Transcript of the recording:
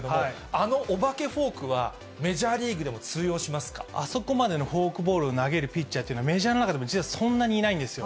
あのお化けフォークはメジャあそこまでのフォークボールを投げるピッチャーっていうのは、メジャーの中でも、実はそんなにいないんですよ。